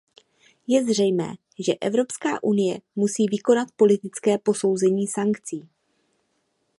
Je zřejmé, že Evropská unie musí vykonat politické posouzení sankcí.